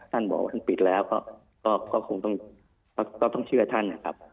ท่านบอกว่าท่านปิดแล้วก็คงต้องเชื่อท่านนะครับ